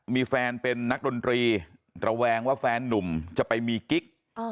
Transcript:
มีแฟนเป็นนักดนตรีระแวงว่าแฟนนุ่มจะไปมีกิ๊ก